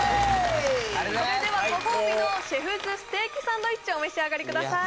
それではご褒美のシェフズステーキサンドウィッチお召し上がりください